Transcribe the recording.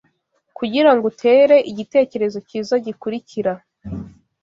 kugirango utere igitekerezo cyiza gikurikira: